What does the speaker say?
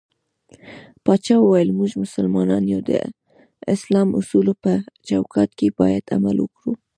پاچا وويل: موږ مسلمانان يو د اسلامي اصولو په چوکات کې بايد عمل وکړو.